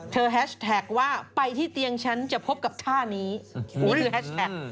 แฮชแท็กว่าไปที่เตียงฉันจะพบกับท่านี้นี่คือแฮชแท็ก